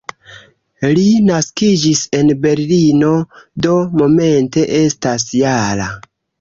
Li naskiĝis en Berlino, do momente estas -jara.